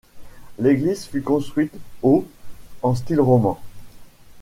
L'église fut construite au en style roman.